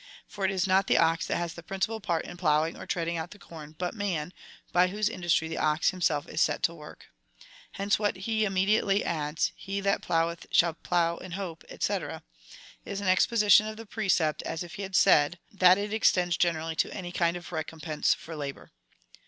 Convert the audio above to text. For it is not the ox that has the principal part in plowing or treading out tlie corn, but man, by whose industry the ox himself is set to work. Hence, what he immediately adds — He that plow eth, should plow in hope, &c. is an exposition of the precept, as if he had said, that it extends generally to any kind of recompense for labour.